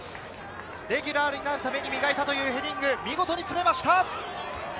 レギュラーになるために磨いたというヘディング、見事に詰めました。